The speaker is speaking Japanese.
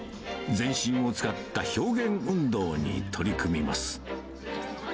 全身を使った表現運動に取り組みます。